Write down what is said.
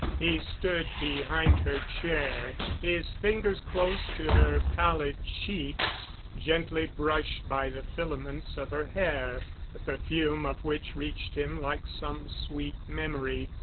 He stood behind her chair, his fingers close to her pallid cheeks, gently brushed by the filaments of her hair, the perfume of which reached him like some sweet memory.